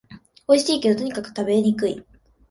おいしいけど、とにかく食べにくい